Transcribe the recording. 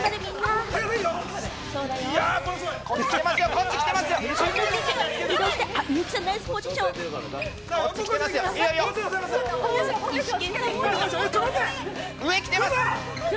こっち来てますよ！